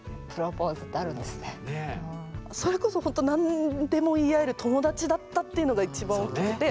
それこそほんと何でも言い合える友達だったっていうのがいちばん大きくて。